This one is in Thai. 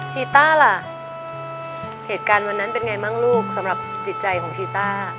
ีต้าล่ะเหตุการณ์วันนั้นเป็นไงบ้างลูกสำหรับจิตใจของชีต้า